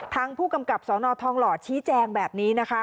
ทางผู้กำกับสนทองหล่อชี้แจงแบบนี้นะคะ